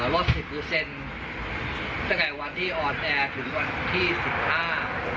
รอบสิบเปอร์เซ็นต์ตั้งแต่วันที่ออนแอร์ถึงวันที่สิบห้า